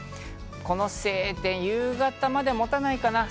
この晴天、夕方まで持たないかな？